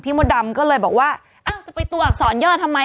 พี่มดดำก็เลยบอกว่าเอ้าจะไปตวกสอนย่อทำไม